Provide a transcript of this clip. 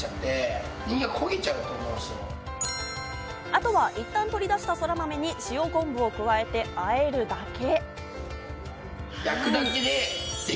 あとはいったん取り出したそらまめに塩こんぶを加えてあえるだけ。